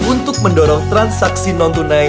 untuk mendorong transaksi non tunai